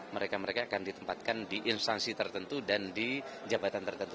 mereka mereka akan ditempatkan di instansi tertentu dan di jabatan tertentu